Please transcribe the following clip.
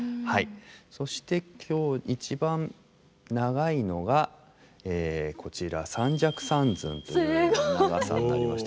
そして今日一番長いのがこちら三尺三寸という長さになりまして。